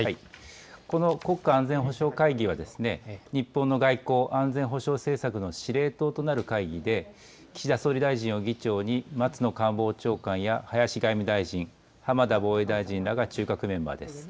この国家安全保障会議は日本の外交・安全保障政策の司令塔となる会議で岸田総理大臣を議長に松野官房長官や林外務大臣、浜田防衛大臣らが中核メンバーです。